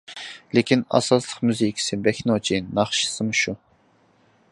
لېكىن، ئاساسلىق مۇزىكىسى بەك نوچى، ناخشىسىمۇ شۇ.